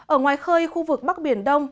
ở ngoài khơi khu vực bắc biển đông